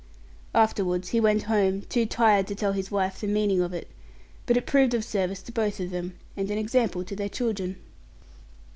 Afterwards he went home, too tired to tell his wife the meaning of it; but it proved of service to both of them, and an example for their children.